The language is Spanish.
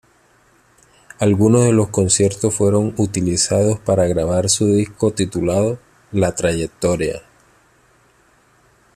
Algunos de los conciertos fueron utilizados para grabar su disco titulado "La Trayectoria".